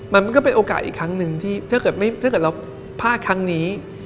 มันก็เป็นโอกาสอีกครั้งหนึ่งที่ถ้าเกิดเราพลาดครั้งนี้